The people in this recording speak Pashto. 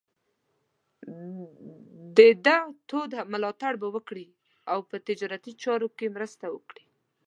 د ده تود ملاتړ به وکړي او په تجارتي چارو کې مرسته وکړي.